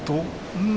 うん。